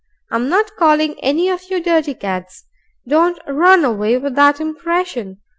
"I'm not calling any of you dirty cads. Don't run away with that impression.